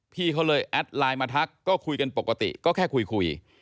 พี่เขาเลยแอดไลน์มาทักก็คุยกันปกติก็แค่คุย